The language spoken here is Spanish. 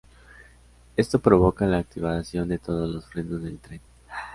Esto provoca la activación de todos los frenos del tren.